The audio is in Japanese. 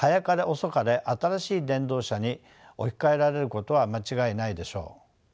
新しい電動車に置き換えられることは間違いないでしょう。